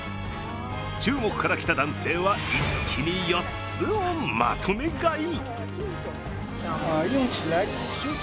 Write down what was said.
中国から来た男性は一気に４つをまとめ買い。